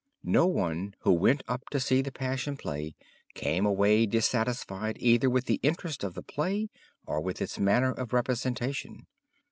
No one who went up to see the Passion Play came away dissatisfied either with the interest of the play or with its manner of representation.